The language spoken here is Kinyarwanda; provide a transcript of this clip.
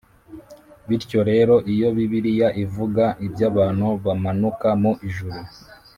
Bityo rero iyo Bibiliya ivuga iby abantu bamanuka mu ijuru